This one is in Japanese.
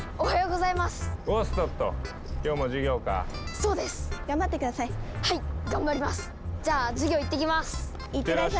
はい！